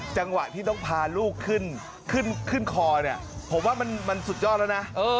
จังหวะต้องพาลูกขึ้นผมว่ามันสุดยอดแล้วนะ